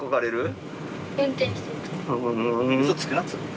嘘つくなっつうの。